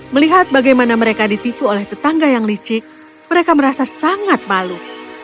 melihat bagaimana mereka ditipu oleh tetangga yang licik mereka merasa sangat malu